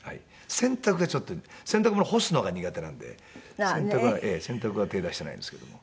洗濯がちょっと洗濯物干すのが苦手なんで洗濯は手出してないですけども。